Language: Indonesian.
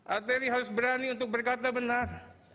arteri harus berani untuk berkata benar